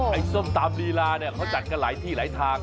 ส้มตำลีลาเนี่ยเขาจัดกันหลายที่หลายทาง